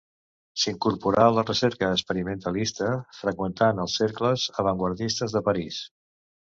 S'incorporà a la recerca experimentalista, freqüentant els cercles avantguardistes de París.